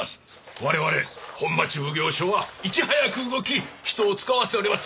われわれ本町奉行所はいち早く動き人をつかわせております